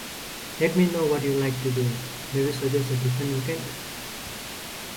Let me know what you'd like to do, maybe suggest a different weekend?